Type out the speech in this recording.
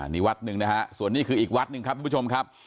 นี่วัดหนึ่งนะครับส่วนนี้คืออีกวัดหนึ่งครับ